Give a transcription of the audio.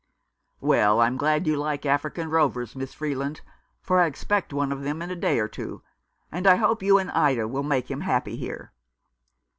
" "Well, I'm glad you like African rovers, Miss Freeland, for I expect one of them in a day or two ; and I hope you and Ida will make him happy here."